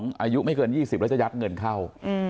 อายุไม่เกิน๒๐แล้วจะยัดเงินเข้า